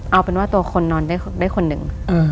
เอาเป็นว่าตัวคนนอนได้คนหนึ่ง